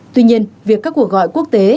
tuy nhiên việc các cuộc gọi quốc tế